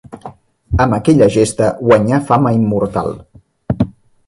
Amb aquella gesta guanyà fama immortal.